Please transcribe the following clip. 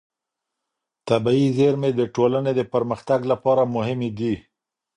طبیعي زېرمې د ټولنې د پرمختګ لپاره مهمې دي.